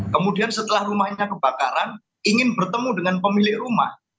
kemudian setelah rumahnya kebakaran ingin bertemu dengan pemilik rumah